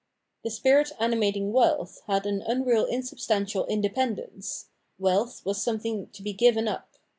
The spirit animat ing wealth had an unreal insubstan tial independence; wealth was something to be given up.